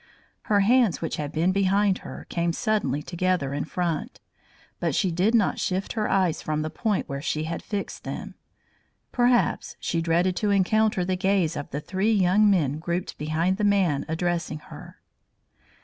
Her hands which had been behind her, came suddenly together in front, but she did not shift her eyes from the point where she had fixed them. Perhaps she dreaded to encounter the gaze of the three young men grouped behind the man addressing her.